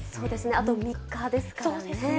あと３日ですからね。